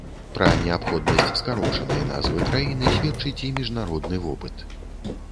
Пра неабходнасць скарочанай назвы краіны сведчыць і міжнародны вопыт.